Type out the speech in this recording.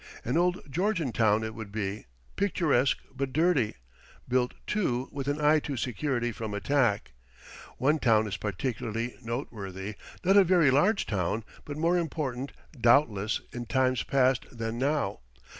An old Georgian town it would be, picturesque but dirty, built, too, with an eye to security from attack. One town is particularly noteworthy not a very large town, but more important, doubtless, in times past than now.